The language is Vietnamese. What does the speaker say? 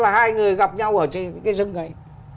hai người gặp nhau ở trên cái rừng ấy